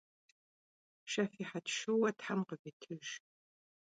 Şşefihet şşuue them khıvitıjj.